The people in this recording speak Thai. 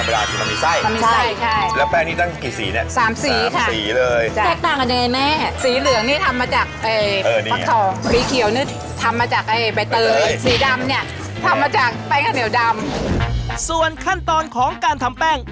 บัวรอยยวดที่เดียวกับแป้งนะครับนะครับ